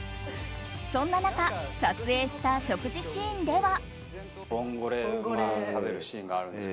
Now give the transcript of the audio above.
そんな中撮影した食事シーンでは。